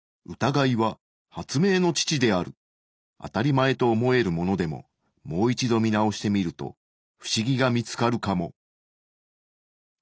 あたりまえと思えるものでももう一度見直してみるとフシギが見つかるかも。